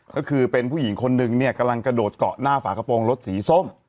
ก็คือเป็นผู้หญิงคนนึงเนี่ยกำลังกระโดดเกาะหน้าฝากระโปรงรถสีส้ม